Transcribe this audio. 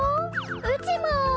うちも。